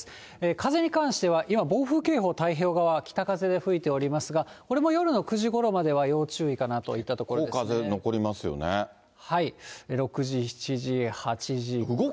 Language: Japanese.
風に関しては、今、暴風警報、太平洋側、北風で吹いておりますが、これも夜の９時ごろまでは、ここ、６時、７時、８時。